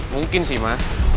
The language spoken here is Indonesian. mungkin sih ma